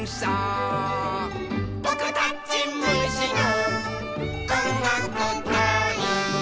「ぼくたちむしのおんがくたい」